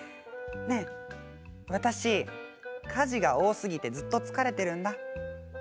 ねえ、私家事が多すぎてずっと疲れているんだ。